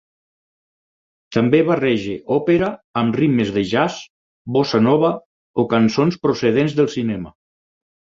També barreja òpera amb ritmes de jazz, bossa nova o cançons procedents del cinema.